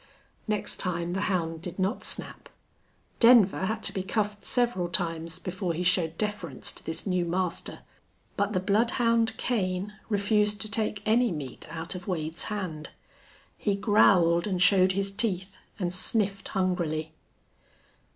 Next time the hound did not snap. Denver had to be cuffed several times before he showed deference to this new master. But the bloodhound Kane refused to take any meat out of Wade's hand. He growled and showed his teeth, and sniffed hungrily.